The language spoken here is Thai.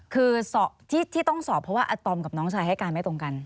คือที่ต้องสอบเพราะว่าอาตอมกับน้องชายให้การไม่ตรงกัน